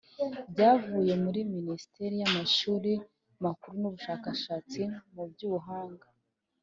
byavuye muri: minisiteri y’amashuri makuru n’ubushakashatsi mu by’ubuhanga